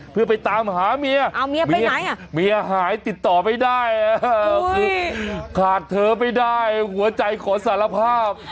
เพื่อไปตามหาเมียเมียหายติดต่อไม่ได้คือขาดเธอไม่ได้หัวใจขอสารภาพ